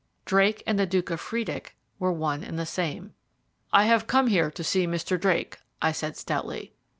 Drake and the Duke of Friedeck were one and the same. "I have come here to see Mr. Drake," I said stoutly.